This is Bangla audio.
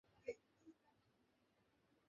কিন্তু বলার আগেই মানুষ শেষ হয়ে যায়।